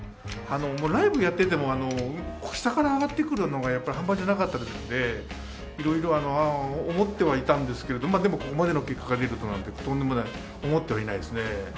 ライブやってても、下から上がってくるのが、やっぱり半端じゃなかったですので、いろいろ思ってはいたんですけれども、でも、ここまでの結果が出るなんてとんでもない、思ってもないですね。